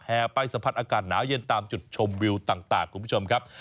ไปสัมผัสอากาศหนาวเย็นตามจุดชมวิวต่างคุณผู้ชมครับ